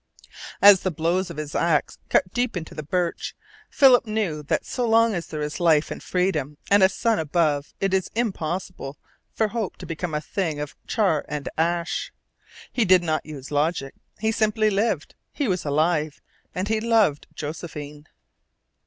As the blows of his axe cut deep into the birch, Philip knew that so long as there is life and freedom and a sun above it is impossible for hope to become a thing of char and ash. He did not use logic. He simply LIVED! He was alive, and he loved Josephine.